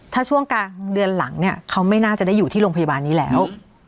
ถ้าช่วงกลางเดือนหลังเนี่ยเขาไม่น่าจะได้อยู่ที่โรงพยาบาลนี้แล้ว